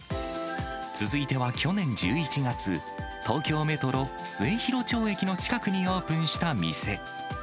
続いては去年１１月、東京メトロ末広町駅の近くにオープンした店。